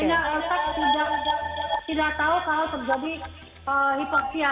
sehingga otak tidak tahu kalau terjadi hypoxia